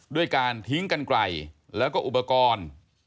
ด้วยการทิ้งกันไกลแล้วก็อุปกรณ์